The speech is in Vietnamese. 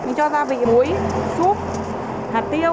mình cho gia vị muối súp hạt tiêu